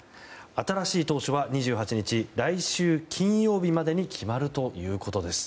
新しい党首は、２８日来週金曜日までに決まるということです。